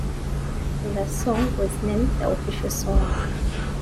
The song was named the official song.